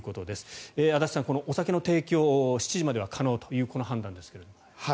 足立さん、このお酒の提供が７時まで可能だという判断ですが。